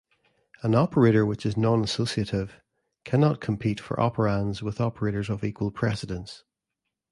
An operator which is non-associative cannot compete for operands with operators of equal precedence.